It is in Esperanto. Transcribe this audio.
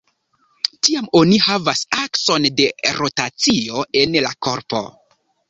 Tiam oni havas akson de rotacio en la korpo.